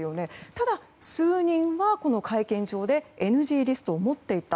ただ、数人は会見場でＮＧリストを持っていた。